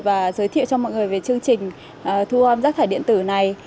và giới thiệu cho mọi người về chương trình thu âm rác thải điện tử này